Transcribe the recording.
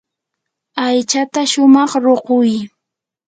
aychata shumaq ruquy.